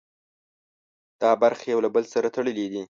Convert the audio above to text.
دا برخې یو له بل سره تړلي دي.